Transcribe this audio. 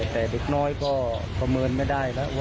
แต่เด็กน้อยก็ประเมินไม่ได้แล้ว